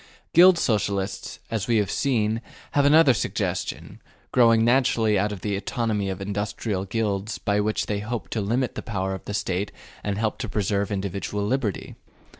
Guild Socialists, as we have seen, have another suggestion, growing naturally out of the autonomy of industrial guilds, by which they hope to limit the power of the State and help to preserve individual liberty.